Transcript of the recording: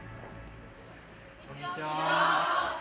こんにちは。